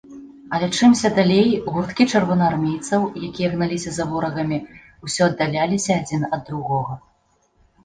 Але чымся далей, гурткі чырвонаармейцаў, якія гналіся за ворагамі, усё аддаляліся адзін ад другога.